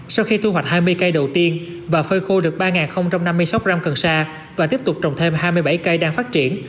sau khi thu hoạch hai mươi cây đầu tiên và phơi khô được ba năm mươi sáu gram cần sa và tiếp tục trồng thêm hai mươi bảy cây đang phát triển